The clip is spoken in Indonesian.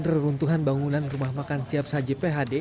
reruntuhan bangunan rumah makan siap saji phd